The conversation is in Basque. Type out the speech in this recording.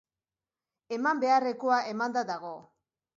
Eman beharrekoa emanda dago.